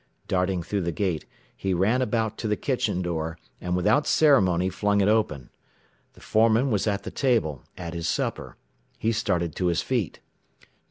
Darting through the gate, he ran about to the kitchen door, and without ceremony flung it open. The foreman was at the table, at his supper. He started to his feet.